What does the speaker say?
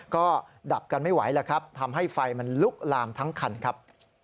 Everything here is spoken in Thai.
ก็ดับกันไม่ไหวแล้วครับทำให้ไฟมันลุกลามทั้งคันครับ